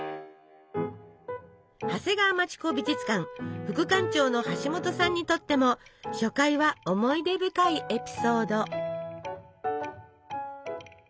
長谷川町子美術館副館長の橋本さんにとっても初回は思い出深いエピソード。